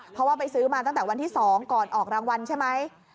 เพราะว่าไปซื้อมาตั้งแต่วันที่๒ก่อนออกรางวัลใช่ไหม